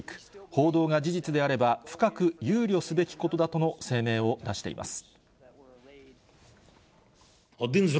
報道が事実であれば、深く憂慮すべきことだとの声明を出しています。